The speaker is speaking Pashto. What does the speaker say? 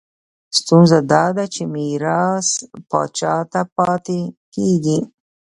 ستونزه دا ده چې میراث پاچا ته پاتې کېږي.